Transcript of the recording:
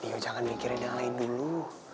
ya jangan mikirin yang lain dulu